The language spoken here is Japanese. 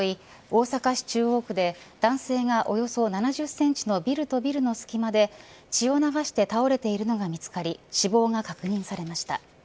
大阪市中央区で男性がおよそ７０センチのビルとビルの隙間で血を流して倒れているのが見つかり死亡が確認されました。